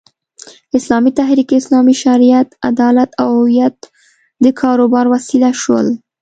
اسلامي تحریک، اسلامي شریعت، عدالت او هویت د کاروبار وسیله شول.